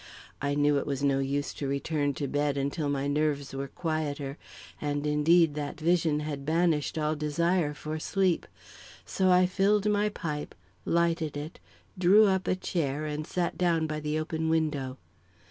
I knew it was no use to return to bed until my nerves were quieter; and, indeed, that vision had banished all desire for sleep; so I filled my pipe, lighted it, drew up a chair and sat down by the open window.